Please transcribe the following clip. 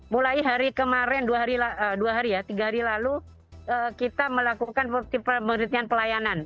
mulai hari kemarin dua hari ya tiga hari lalu kita melakukan penelitian pelayanan